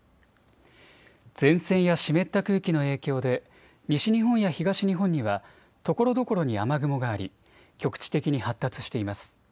前線や湿った空気の影響で西日本や東日本にはところどころに雨雲があり局地的に発達しています。